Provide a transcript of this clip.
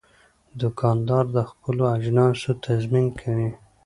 دوکاندار د خپلو اجناسو تضمین کوي.